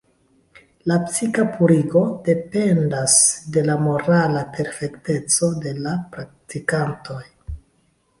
La psika purigo dependas de la morala perfekteco de de la praktikantoj.